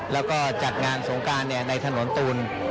แล้วก็จัดงานสงการในถนนตูน